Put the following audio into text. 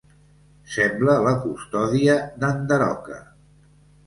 Semblar la custòdia d'en Daroca.